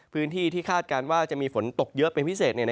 พื้นที่ที่คาดการณ์ว่าจะมีฝนตกเยอะเป็นพิเศษ